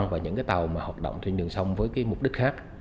và những tàu hoạt động trên đường sông với mục đích khác